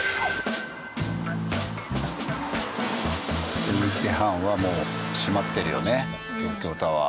１０時半はもう閉まってるよね東京タワー。